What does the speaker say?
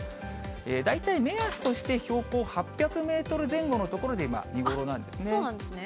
大体目安として標高８００メートル前後の所で、今、見頃なんですね。